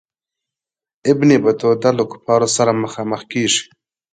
ابن بطوطه له کفارو سره مخامخ کیږي.